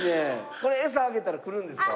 これ餌あげたら来るんですか？